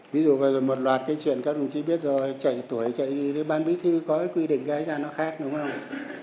ví dụ một loạt cái chuyện các đồng chí biết rồi chạy tuổi chạy với ban bí thư có cái quy định gái da nó khác đúng không